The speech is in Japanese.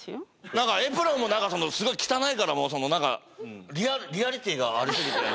何かエプロンもすごい汚いから何かリアリティーがあり過ぎて。